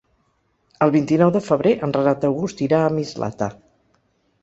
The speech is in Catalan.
El vint-i-nou de febrer en Renat August irà a Mislata.